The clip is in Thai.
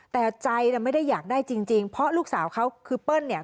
แต่ใจไม่ได้อยากได้จริงเพราะลูกสาวเขาคือเปิ้ลเนี่ย